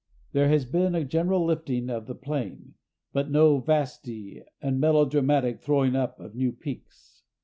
There has been a general lifting of the plain, but no vasty and melodramatic throwing up of new peaks.